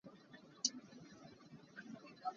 Sibawi kan si lo.